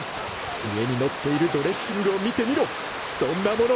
上にのっているドレッシングを見てみろそんなもの